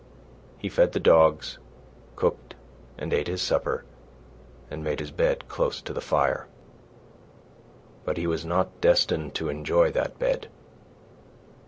He fed the dogs, cooked and ate his supper, and made his bed close to the fire. But he was not destined to enjoy that bed.